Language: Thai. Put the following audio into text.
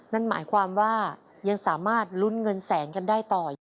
นั่นหมายความว่ายังสามารถลุ้นเงินแสนกันได้ต่ออยู่